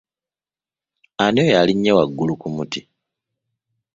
Ani oyo alinnye waggulu ku muti?